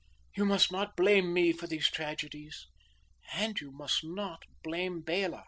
You must not blame me for these tragedies; and you must not blame Bela.